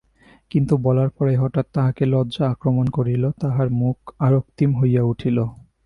কিন্তু বলার পরেই হঠাৎ তাহাকে লজ্জা আক্রমণ করিল, তাহার মুখ আরক্তিম হইয়া উঠিল।